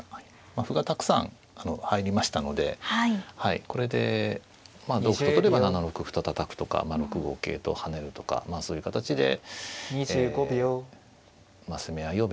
歩がたくさん入りましたのでこれで同歩と取れば７六歩とたたくとか６五桂と跳ねるとかそういう形でええ攻め合いを目指すということですね。